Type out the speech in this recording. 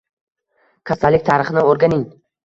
Kasallik tarixini o`rganing